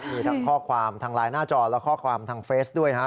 มีทั้งข้อความทางไลน์หน้าจอและข้อความทางเฟซด้วยนะฮะ